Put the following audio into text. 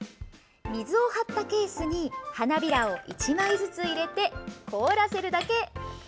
水を張ったケースに花びらを１枚ずつ入れて凍らせるだけ。